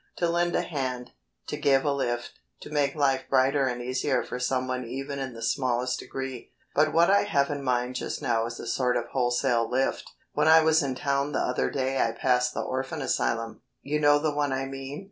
To lend a hand, to give a lift, to make life brighter and easier for someone even in the smallest degree. "But what I have in mind just now is a sort of wholesale lift. When I was in town the other day I passed the orphan asylum. You know the one I mean.